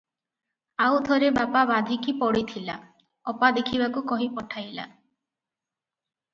ଆଉ ଥରେ ବାପା ବାଧିକି ପଡ଼ିଥିଲା, ଅପା ଦେଖିବାକୁ କହି ପଠାଇଲା ।